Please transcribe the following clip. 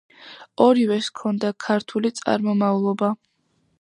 ორივეს ჰქონდა ქართული წარმომავლობა.